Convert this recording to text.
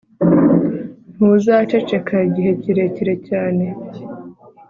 tuzaceceka igihe kirekire cyane